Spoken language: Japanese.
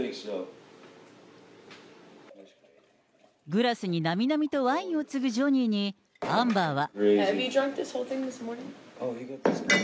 グラスになみなみとワインを注ぐジョニーに、アンバーは。